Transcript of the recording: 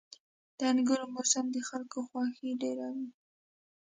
• د انګورو موسم د خلکو خوښي ډېروي.